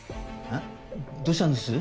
どうしたんです？